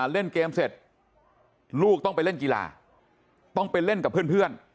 เล่นเกมเสร็จลูกต้องไปเล่นกีฬาต้องไปเล่นกับเพื่อน